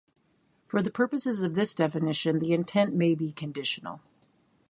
For purposes of this definition, the intent may be conditional.